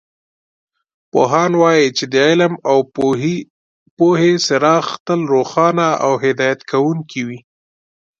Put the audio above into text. پوهان وایي چې د علم او پوهې څراغ تل روښانه او هدایت کوونکې وي